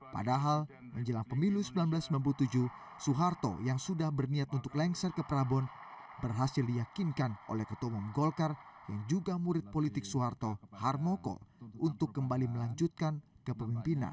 padahal menjelang pemilu seribu sembilan ratus sembilan puluh tujuh soeharto yang sudah berniat untuk lengser ke prabon berhasil diyakinkan oleh ketua umum golkar yang juga murid politik soeharto harmoko untuk kembali melanjutkan kepemimpinan